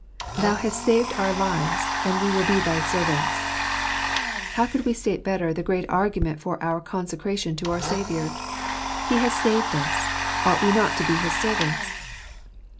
"Thou hast saved our lives ; and we will be thy servants." How could we state better the great argument for our consecration to our Saviour ?" He has saved us : ought we not to be his servants?"